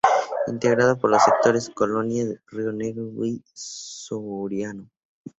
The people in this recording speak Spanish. Integrado por los sectores: Colonia, Río Negro y Soriano.